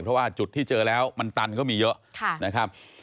เพราะว่าจุดที่เจอแล้วมันตันก็มีเยอะนะครับ